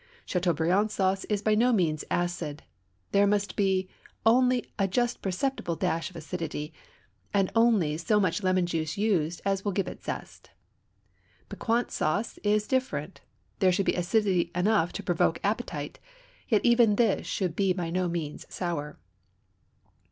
Châteaubriand sauce is by no means acid; there must be only a just perceptible dash of acidity, and only so much lemon juice used as will give it zest. Piquante sauce is different; there should be acidity enough to provoke appetite; yet even this should be by no means sour.